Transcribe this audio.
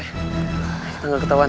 kita gak ketauan